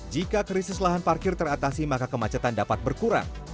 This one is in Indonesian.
jika krisis lahan parkir teratasi maka kemacetan dapat berkurang